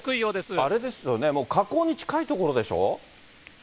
これ、あれですよね、もう河口に近い所でしょ？